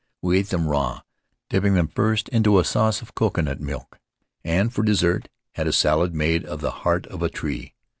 We ate them raw, dipping them first into a sauce of coconut milk, and for dessert had a salad made of the heart of a tree.